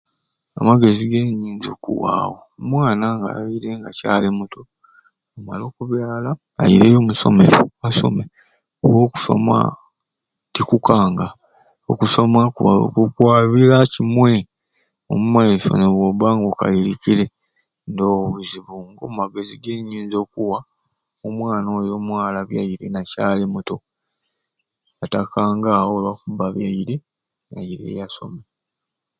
Amagezi genyinza okuwawo nga omwana abyaire nga akyali mutto amale okubyala aireeyo omusomero amasomero kuba okusoma tikukanga, okusoma kwo kwabira kimwei omumaiso nebwoba nga okairikire ndowo buzibu nigo magezi genyinza okuwa omwana oyo omwala abyaire nakyali mutto atakanga awo olwakubba abyaire aireeyo asome.